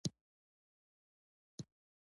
افغانستان د دښتو له مخې پېژندل کېږي.